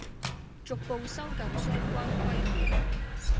逐步收緊相關規管